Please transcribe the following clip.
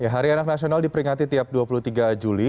hari anak nasional diperingati tiap dua puluh tiga juli